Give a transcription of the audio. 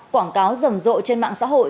quảng cáo rầm rộ trên mạng xã hội